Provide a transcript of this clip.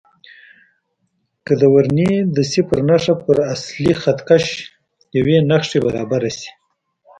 که د ورنیې د صفر نښه پر اصلي خط کش یوې نښې برابره شي.